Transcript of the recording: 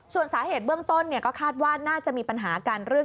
ส่วนสาเหตุเบื้องต้นก็คาดว่าน่าจะมีปัญหากันเรื่อง